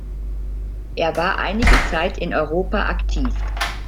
Er war einige Zeit in Europa aktiv.